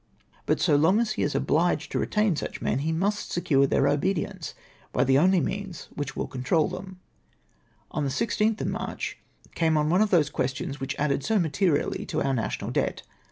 But so long as he is 254 NATIONAL MEANS WRONGLY ArPLIED. obliged to retain such men, lie must secure tlieir obedience by the only means which will control them. On the 16 th of March came on one of those questions which added so materially to our national debt.